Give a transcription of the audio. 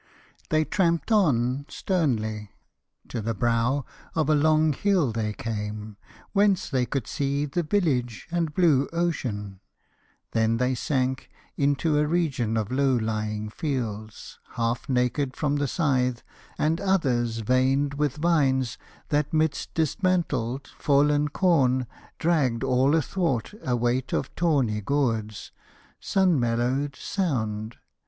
They tramped on sternly. To the brow Of a long hill they came, whence they could see The village and blue ocean; then they sank Into a region of low lying fields Half naked from the scythe, and others veined With vines that 'midst dismantled, fallen corn Dragged all athwart a weight of tawny gourds, Sun mellowed, sound.